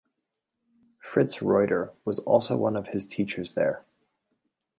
Fritz Reuter was also one of his teachers there.